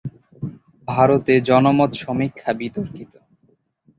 ভারতে জনমত সমীক্ষা বিতর্কিত।